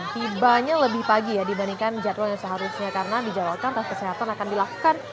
tibanya lebih pagi ya dibandingkan jadwal yang seharusnya karena dijawabkan tes kesehatan akan dilakukan